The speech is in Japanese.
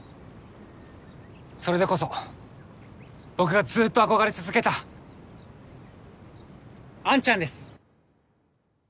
それでこそ僕がずっと憧れ続けた杏ちゃんです。